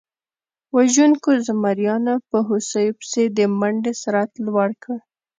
وژونکو زمریانو په هوسیو پسې د منډې سرعت لوړ کړ.